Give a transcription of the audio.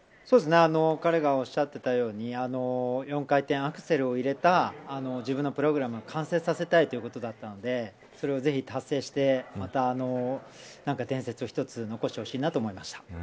彼がおっしゃっていたように４回転アクセルを入れた自分のプログラムを完成させたいということだったんでそれをぜひ達成してまた伝説を一つ残してほしいなと思いました。